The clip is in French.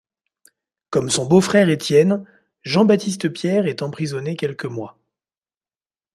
Comme son beau-frère Étienne, Jean-Baptiste-Pierre est emprisonné quelques mois.